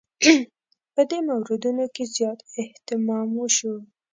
په دې موردونو کې زیات اهتمام وشو.